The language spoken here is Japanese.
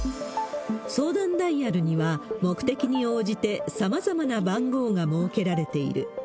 相談ダイヤルには、目的に応じてさまざまな番号が設けられている。